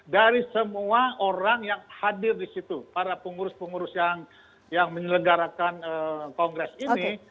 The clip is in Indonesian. dari semua orang yang hadir di situ para pengurus pengurus yang menyelenggarakan kongres ini